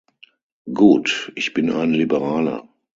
Gut, ich bin ein Liberaler.